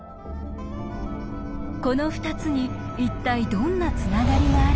この２つに一体どんなつながりがあるのか？